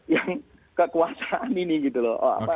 yang kekuasaan ini gitu loh